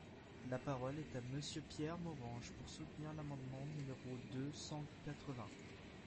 La parole est à Monsieur Pierre Morange, pour soutenir l’amendement numéro deux cent quatre-vingts.